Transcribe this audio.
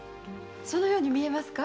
そのように見えますか？